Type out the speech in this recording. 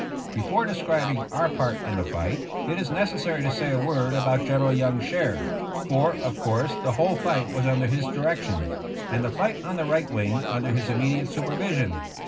Before describing our part in the fight, it is necessary to say a word about General Young's share, for, of course, the whole fight was under his direction, and the fight on the right wing under his immediate supervision.